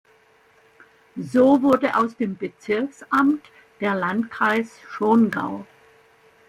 So wurde aus dem Bezirksamt der Landkreis Schongau.